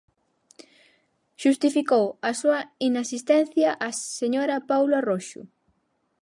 Xustificou a súa inasistencia a señora Paulo Arroxo.